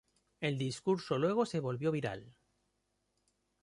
El discurso luego se volvió viral.